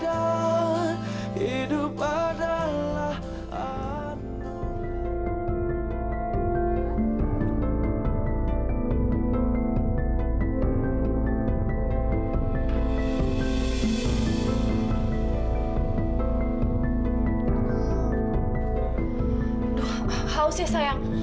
aduh haus ya sayang